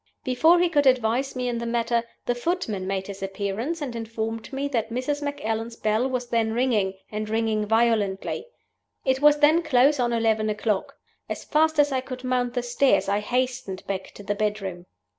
Before he could advise me in the matter, the footman made his appearance and informed me that Mrs. Macallan's bell was then ringing and ringing violently. "It was then close on eleven o'clock. As fast as I could mount the stairs I hastened back to the bedroom.